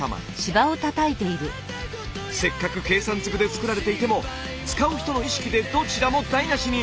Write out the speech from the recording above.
せっかく計算ずくで作られていても使う人の意識でどちらも台なしに！